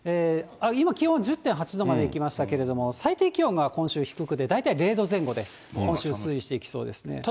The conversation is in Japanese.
今、気温が１０．８度までいきましたけれども、最低気温が今週低くて、大体０度前後で、今週、推移していきそうですね。